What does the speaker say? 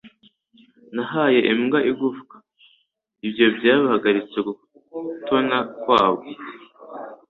Nahaye imbwa igufwa. Ibyo byahagaritse gutona kwayo.